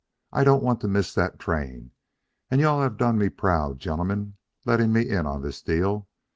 "I don't want to miss that train, and you all have done me proud, gentlemen, letting me in on this deal.